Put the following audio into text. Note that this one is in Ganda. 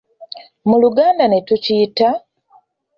Mu Luganda ne tukiyita?